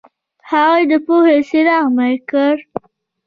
هغوی د پوهې څراغ مړ کړ.